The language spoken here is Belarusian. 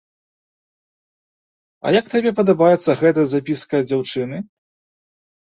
А як табе падабаецца гэтая запіска ад дзяўчыны?